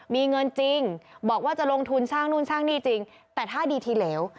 มีเงินจริงบอกว่าจะลงทุนสร้างนู่นสร้างนี่จริงแต่ถ้าดีทีเหลว